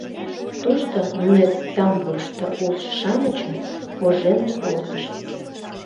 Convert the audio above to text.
Тушто нунет тамбурышто улшо-шамычым кожен колтышт.